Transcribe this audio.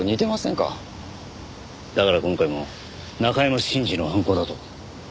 だから今回も中山信二の犯行だと？